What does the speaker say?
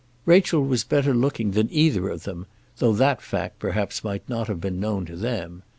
Rachel was better looking than either of them, though that fact perhaps might not have been known to them.